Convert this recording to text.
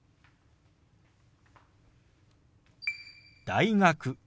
「大学」。